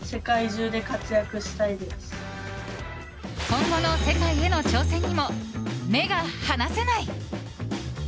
今後の世界への挑戦にも目が離せない。